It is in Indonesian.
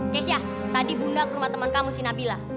keisha tadi bunda ke rumah temen kamu si nabila